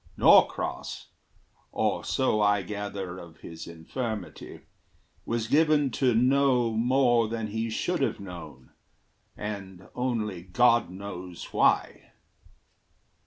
Norcross, Or so I gather of his infirmity, Was given to know more than he should have known, And only God knows why.